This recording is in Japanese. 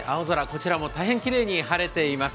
こちらも大変きれいに晴れています。